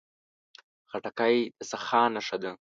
خټکی د سخا نښه ده.